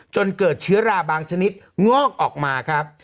จนเกิดเชื้อราบางชนิดงอกออกมาครับ